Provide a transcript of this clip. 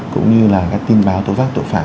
cũng như là các tin báo tổ vác tội phạm